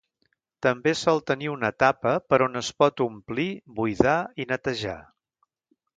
També sol tenir una tapa per on es pot omplir, buidar i netejar.